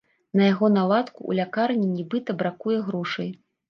На яго наладку ў лякарні нібыта бракуе грошай.